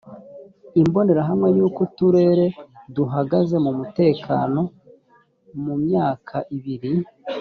imbonerahamwe y’uko uturere duhagaze mu mutekano mu myaka ibiri